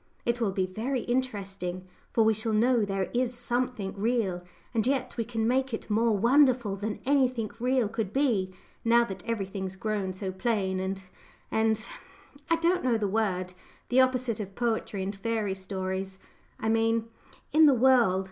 It will be very interesting, for we shall know there is something real, and yet we can make it more wonderful than anything real could be now that everything's grown so plain and and I don't know the word the opposite of poetry and fairy stories, I mean in the world.